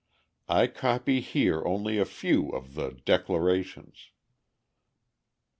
I copy here only a few of the declarations: 1.